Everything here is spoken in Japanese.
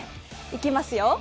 いきますよ。